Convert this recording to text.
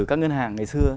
các ngân hàng ngày xưa